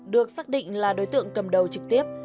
được xác định là đối tượng cầm đầu trực tiếp